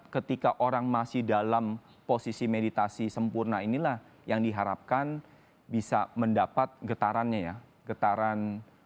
ketika orang masih dalam posisi meditasi sempurna inilah yang diharapkan bisa mendapat getarannya ya